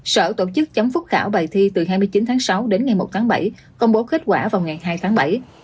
sở tổ chức chấm phúc khảo bài thi từ hai mươi chín tháng sáu đến ngày một tháng bảy công bố kết quả vào ngày hai tháng bảy